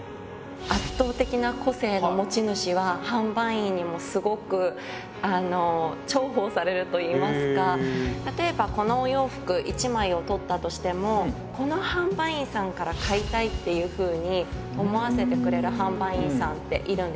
圧倒的な個性の持ち主は販売員にもすごくあの重宝されると言いますか例えばこのお洋服一枚を取ったとしてもこの販売員さんから買いたいっていうふうに思わせてくれる販売員さんっているんですよね。